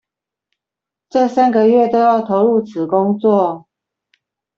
這三個月都要投入此工作